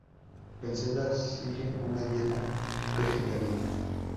Cancela sigue una dieta vegetariana.